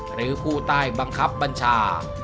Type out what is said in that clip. หรือผู้ใต้บังคับบัญชา